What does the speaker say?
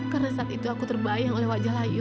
karena saat itu aku terbayang oleh wajah layu